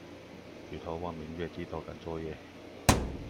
舉頭望明月，低頭趕作業